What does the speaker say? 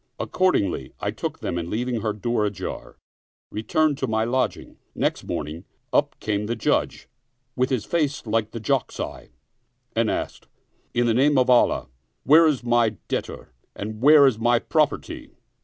Accordingly I took them and leaving her door ajar returned to my lodging. Next morning, up came the Judge, with his face like the ox eye, and asked, " In the name of Allah, where is my debtor and where is my property?